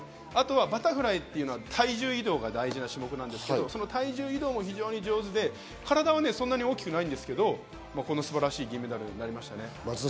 バタフライというのは体重移動が大事な種目なんですけど体重移動も上手で体はそんなに大きくないんですけど、素晴らしい銀メダルとなりました。